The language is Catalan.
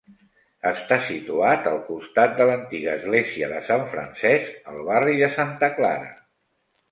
Està situat al costat de l'antiga església de Sant Francesc, al barri de Santa Clara.